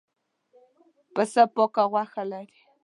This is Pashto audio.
پسه پاکه غوښه لري.